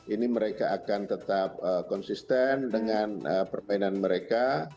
ini mereka akan tetap konsisten dengan permainan mereka